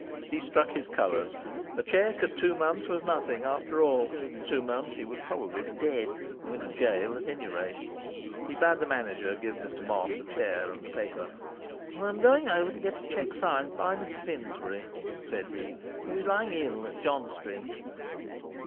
He struck his colours. A cheque at two months was nothing, after all. In two months he would probably be dead, or in a gaol at any rate. He bade the manager give Mr Moss a chair and the paper. 'I'm going over to get a cheque signed by Mr Finsbury,' said he, 'who is lying ill at John Street.